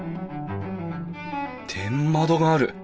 天窓がある。